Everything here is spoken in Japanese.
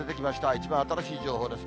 一番新しい情報です。